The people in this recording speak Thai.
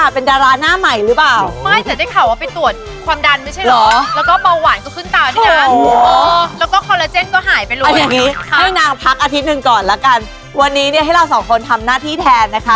ก่อนแล้วกันวันนี้เนี้ยให้เราสองคนทำหน้าที่แทนนะคะ